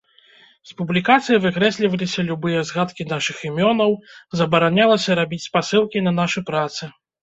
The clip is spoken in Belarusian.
З публікацый выкрэсліваліся любыя згадкі нашых імёнаў, забаранялася рабіць спасылкі на нашы працы.